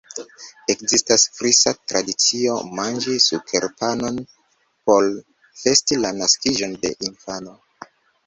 Ekzistas frisa tradicio manĝi sukerpanon por festi la naskiĝon de infano.